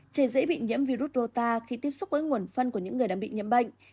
trẻ dễ bị nhiễm virus rô ta khi tiếp xúc với nguồn phân của những người đang bị nhiễm bệnh